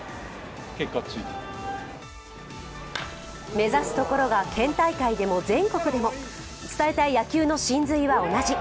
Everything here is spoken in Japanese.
目指すところが県大会でも、全国でも伝えたい野球の神髄は同じ。